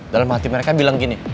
dalam hati mereka bilang gini